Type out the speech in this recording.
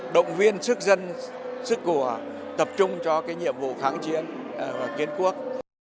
động viên sức dân sức của tập trung cho nhiệm vụ kháng chiến và kiến quốc